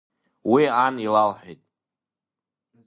Уи ан илалҳәеит…